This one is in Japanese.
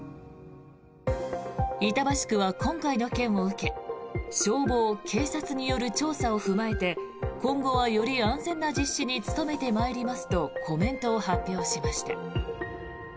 板橋区は今回の件を受け消防・警察による調査を踏まえて今後はより安全な実施に努めてまいりますとコメントを発表しました。